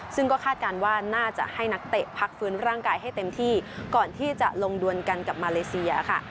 ซึ่งก็คาดการณ์ว่าน่าจะให้นักเตะพักฟื้นร่างกายให้เต็มที่ก่อนที่จะลงดวนกันกับมาเลเซียค่ะ